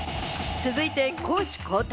続いて攻守交代。